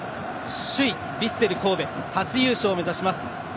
首位・ヴィッセル神戸初優勝を目指します。